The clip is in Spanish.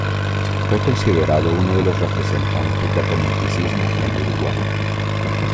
Fue considerado uno de los representantes del romanticismo en Uruguay.